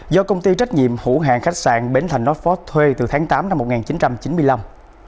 do công ty trách nhiệm hữu hàng khách sạn bến thành north fork thuê từ tháng tám năm một nghìn chín trăm chín mươi năm